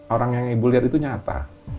orang yang ibu lihat itu nyata